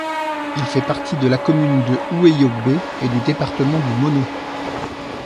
Il fait partie de la commune de Houéyogbé et du département du Mono.